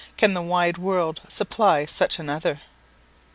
Can the wide world supply such another?